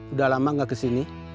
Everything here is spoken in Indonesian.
udah lama gak kesini